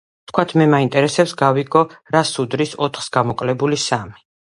ვთქვათ, მე მაინტერესებს გავიგო რას უდრის ოთხს გამოკლებული სამი.